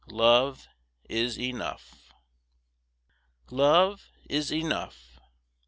Love is enough. Love is enough.